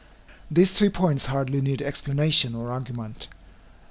These three points hardly need explanation or argument.